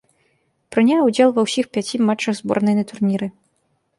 Прыняў удзел ва ўсіх пяці матчах зборнай на турніры.